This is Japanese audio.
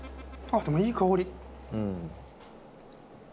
あっでもいい香り！